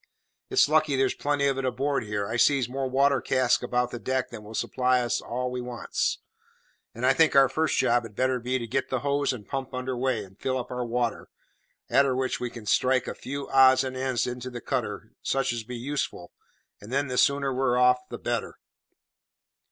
It's lucky there's plenty of it aboard here. I sees more water casks about the deck than will supply all as we wants; and I think our first job had better be to get the hose and pump under weigh, and fill up our water; a'ter which we can soon strike a few odds and ends into the cutter such as'll be useful, and then the sooner we're off the better."